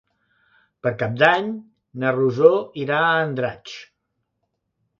Per Cap d'Any na Rosó irà a Andratx.